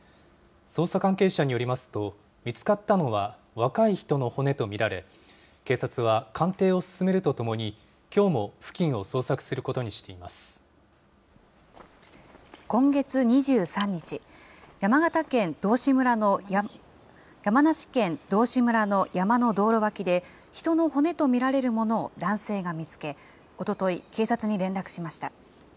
捜査関係者によりますと、見つかったのは若い人の骨と見られ、警察は鑑定を進めるとともに、きょうも付近を捜索することにして今月２３日、山梨県道志村の山の道路脇で、人の骨と見られるものを男性が見つけ、おととい、警察に連絡しました。